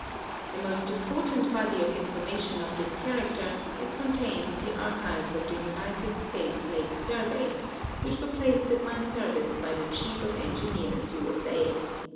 ' The most important body of information of this character is con tained in the archives of the United States Lake Survey, which were placed at my service by the Chief of Engineers, U. S. A.